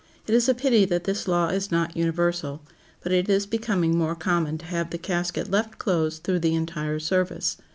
It is a pity that this law is not universal, but it is becoming more common to have the casket left closed through the entire service.